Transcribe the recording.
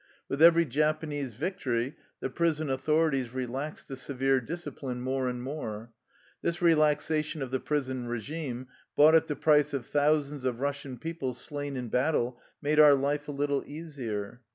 With every Japanese victory the prison authorities relaxed the severe discipline more and more. This relaxation of the prison regime, bought at the price of thousands 6f Eussian people slain in battle, made our life a little easier.